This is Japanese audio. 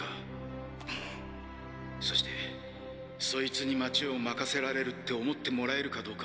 そしてそいつに街を任せられるって思ってもらえるかどうか。